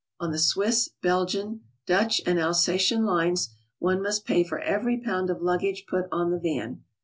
On the Swiss, Belgian, Dutch and Alsatian lines, one must pay for every pound of luggage put on the van.